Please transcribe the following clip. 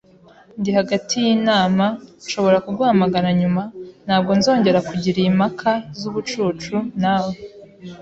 Ndi hagati yinama. Nshobora kuguhamagara nyuma? Ntabwo nzongera kugira iyi mpaka zubucucu nawe.